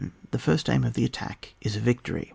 The flrst aim of the attack is a vic tory.